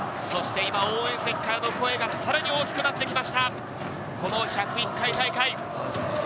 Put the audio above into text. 今、応援席からの声がさらに大きくなってきました、１０１回大会。